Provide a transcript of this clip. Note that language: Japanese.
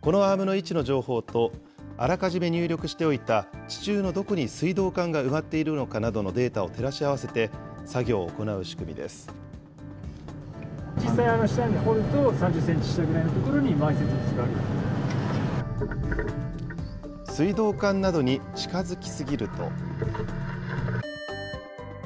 このアームの位置の情報とあらかじめ入力しておいた地中のどこに水道管が埋まっているのかなどのデータを照らし合わせて、作業を水道管などに近づきすぎると。